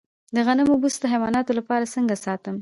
د غنمو بوس د حیواناتو لپاره څنګه ساتم؟